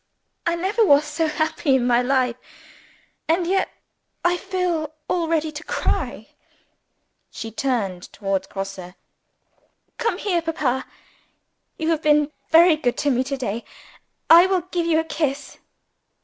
"I never was so happy in my life. And yet I feel almost ready to cry!" She turned towards Grosse. "Come here, papa. You have been very good to me to day. I will give you a kiss."